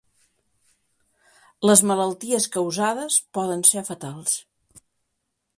Les malalties causades poden ser fatals.